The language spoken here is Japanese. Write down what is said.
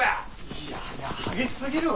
いやいや激しすぎるわ！